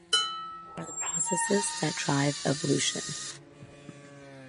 Which are the processes that drive evolution.